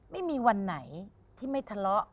ไม่มีวันไหนที่ไม่ทะเลาะ